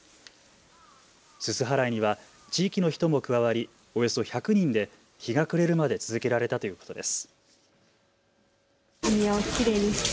すす払いには地域の人も加わりおよそ１００人で日が暮れるまで続けられたということです。